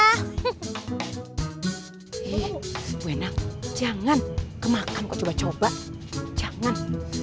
ih bu endang jangan ke makam kok coba coba jangan